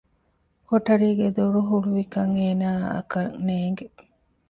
ކޮޓަރީގެ ދޮރުހުޅުވިކަން އޭނާއަކަށް ނޭގެ